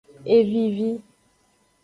E vivi.